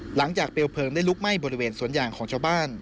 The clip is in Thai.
เปลวเพลิงได้ลุกไหม้บริเวณสวนยางของชาวบ้าน